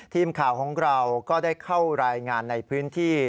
ทีมข่าวของเราก็ได้เข้ารายงานในพื้นที่